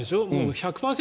１００％